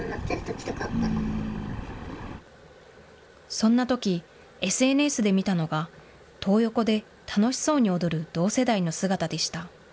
そんなときＳＮＳで見たのがトー横で楽しそうに踊る同世代の姿でした。